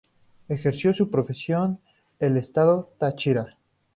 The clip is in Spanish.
Ejerció su profesión el estado Táchira.